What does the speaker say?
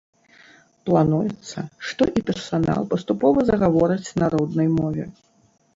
Плануецца, што і персанал паступова загаворыць на роднай мове.